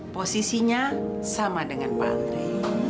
posisinya sama dengan pak andri